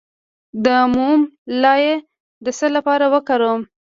د موم لایی د څه لپاره وکاروم؟